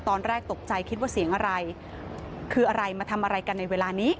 ตอนแรกตกใจคิดว่าเสียงอะไรคืออะไรมาทำอะไรกันในเวลานี้